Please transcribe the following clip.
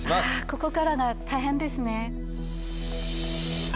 ここからが大変ですね。